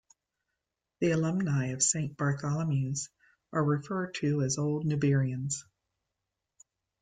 The alumni of Saint Bartholomew's are referred to as "Old Newburians".